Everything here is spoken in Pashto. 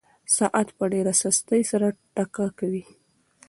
ساعت په ډېره سستۍ سره ټکا کوي.